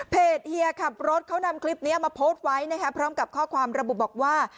เฮียขับรถเขานำคลิปนี้มาโพสต์ไว้นะครับพร้อมกับข้อความระบุบอกว่า